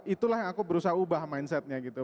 itulah yang aku berusaha ubah mindsetnya gitu